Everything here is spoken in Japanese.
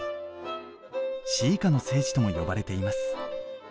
詩歌の聖地とも呼ばれています。